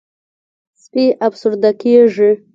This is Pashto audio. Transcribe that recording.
سپي افسرده کېږي.